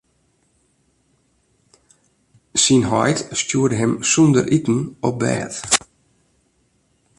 Syn heit stjoerde him sûnder iten op bêd.